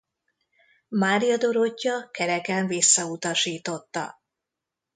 Mária Dorottya kereken visszautasította.